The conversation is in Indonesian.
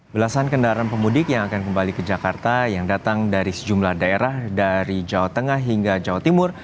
belasan kendaraan pemudik yang akan kembali ke jakarta yang datang dari sejumlah daerah dari jawa tengah hingga jawa timur